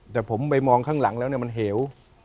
แต่ผมไปมองข้างหลังแล้วมันเหว